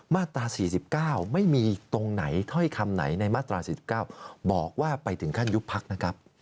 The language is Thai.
มาตรา๔๙ไม่มีตรงไหนถ้อยคำไหนในมาตรา๔๙บอกว่าไปถึงขั้นยุบพักนะครับ